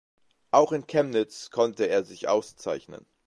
Auch in Chemnitz konnte er sich auszeichnen.